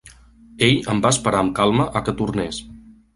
Ell em va esperar amb calma a que tornés.